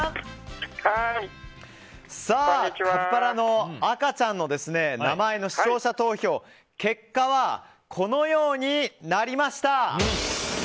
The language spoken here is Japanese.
カピバラの赤ちゃんの名前の視聴者投票の結果はこのようになりました。